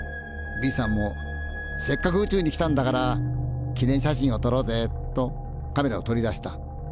Ｂさんも「せっかく宇宙に来たんだから記念写真をとろうぜ」とカメラを取り出した。